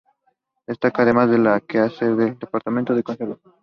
Destaca, además, el quehacer del Departamento de Conservación.